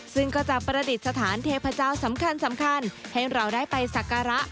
ซึ่งก็จะประดิษฐานเทพเจ้าสำคัญสำคัญให้เราได้ไปสักการะ